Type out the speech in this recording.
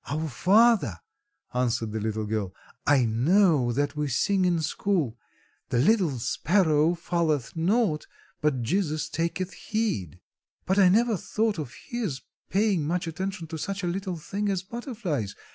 "Our Father," answered the little girl. "I know that we sing in school: 'The little sparrow falleth not But Jesus taketh heed.' but I never thought of His paying much attention to such a little thing as butterflies.